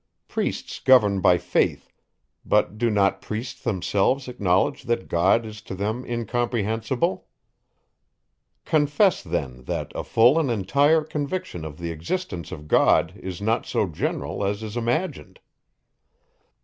Priests govern by faith; but do not priests themselves acknowledge that God is to them incomprehensible? Confess then, that a full and entire conviction of the existence of God is not so general, as is imagined.